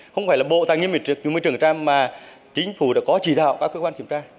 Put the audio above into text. không phải là bộ tài nghiệp nguyên trưởng kiểm tra mà chính phủ đã có chỉ đạo các cơ quan kiểm tra